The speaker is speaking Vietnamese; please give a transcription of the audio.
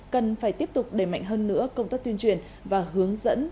cần phải tiếp tục đẩy mạnh hơn nữa công tác tuyên truyền và hướng dẫn